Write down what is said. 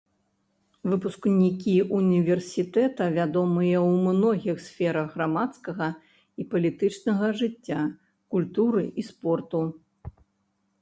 Выпускнікі ўніверсітэта вядомыя ў многіх сферах грамадскага і палітычнага жыцця, культуры і спорту.